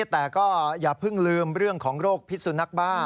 แต่ก็อย่าเพิ่งลืมเรื่องของโรคพิษสุนักบ้า